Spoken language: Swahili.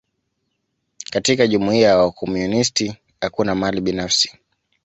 Katika jumuia ya wakomunisti, hakuna mali binafsi.